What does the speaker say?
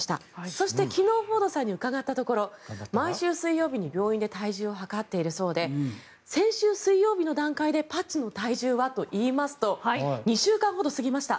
そして、昨日フォードさんに伺ったところ毎週水曜日に病院で体重を計っているそうで先週水曜日の段階でパッチの体重はといいますと２週間ほど過ぎました。